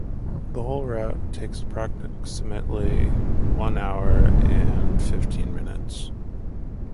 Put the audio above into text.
The whole route takes approximately one hour and fifteen minutes.